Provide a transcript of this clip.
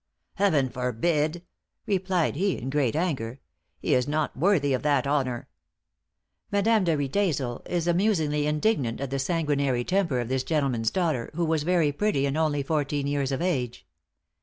"Heaven forbid!" replied he, in great anger; "he is not worthy of that honor." Madame de Riedesel is amusingly indignant at the sanguinary temper of this gentleman's daughter, who was very pretty and only fourteen years of age.